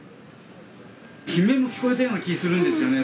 悲鳴も聞こえたような気するんですよね。